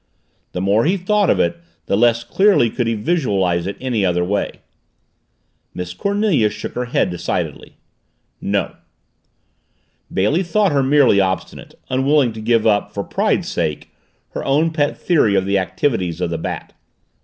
The more he thought of it the less clearly could he visualize it any other way. Miss Cornelia shook her head decidedly. "No." Bailey thought her merely obstinate unwilling to give up, for pride's sake, her own pet theory of the activities of the Bat.